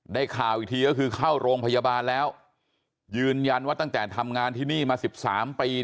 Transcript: ได้ข่าวอีกทีก็คือเข้าโรงพยาบาลแล้วยืนยันว่าตั้งแต่ทำงานที่นี่มาสิบสามปี